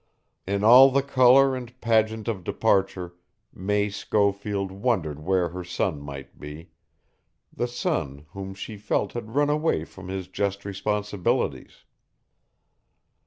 In all the color and pageant of departure May Schofield wondered where her son might be, the son whom she felt had run away from his just responsibilities.